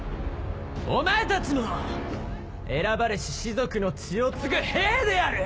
お前たちも選ばれし士族の血を継ぐ兵である！